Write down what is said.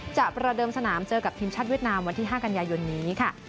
ประเดิมสนามเจอกับทีมชาติเวียดนามวันที่๕กันยายนนี้ค่ะ